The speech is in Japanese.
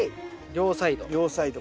両サイド。